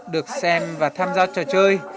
được xem và tham gia trò chơi